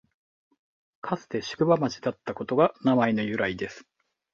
かつて宿場町だったことが名前の由来です